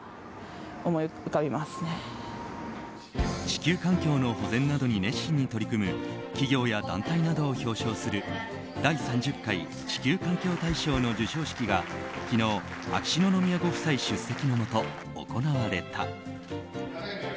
地球環境の保全などに熱心に取り組む企業や団体などを表彰する第３０回地球環境大賞の授賞式が昨日、秋篠宮ご夫妻出席のもと行われた。